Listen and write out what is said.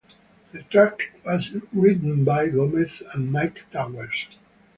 The track was written by Gomez and Myke Towers.